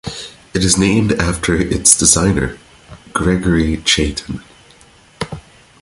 It is named after its designer, Gregory Chaitin.